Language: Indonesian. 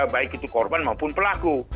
baik itu korban maupun pelaku